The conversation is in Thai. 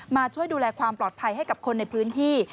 มาช่วยดูแลความปลอดภัยให้กับคนในพื้นที่